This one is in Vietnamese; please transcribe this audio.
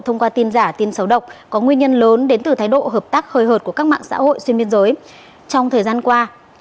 thông qua tin giả tin xấu độc có nguyên nhân lớn đến từ thái độ hợp tác hơi hợt của các mạng xã hội xuyên biên giới trong thời gian qua